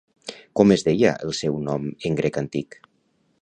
Com es deia el seu nom en grec antic?